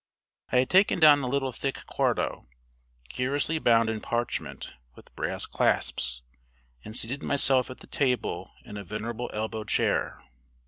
I had taken down a little thick quarto, curiously bound in parchment, with brass clasps, and seated myself at the table in a venerable elbow chair.